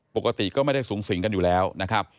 ปกติก็ไม่ได้สูงสิงกันอยู่แล้วนะครับ